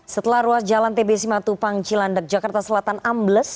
setelah ruas jalan tbc matupang cilandak jakarta selatan ambles